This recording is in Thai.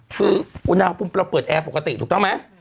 คืออุณหภูมิเราเปิดแอร์ปกติถูกต้องไหม